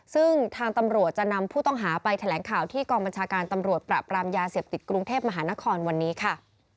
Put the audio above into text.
ซึ่งทางตำรวจจะนำผู้ต้องหาไปแถลงข่าวที่กองบัญชาการตำรวจปราบรามยาเสพติดกรุงเทพมหานครวันนี้ค่ะ